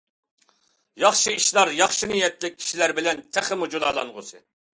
ياخشى ئىشلار ياخشى نىيەتلىك كىشىلەر بىلەن تېخىمۇ جۇلالانغۇسى!